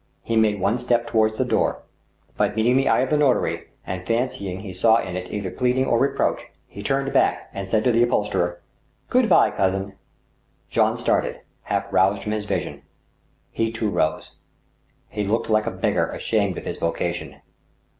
He made one step toward the door ; but meeting the eye of the notary, and fancying he saw in it either pleading or reproach, he turned back and said to the upholsterer :" Good by, cousin." Jean started, half roused from his vision. He, too, rose. He looked like a beggar ashamed of his vocation.